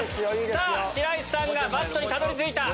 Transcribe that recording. さぁ白石さんがバットにたどり着いた。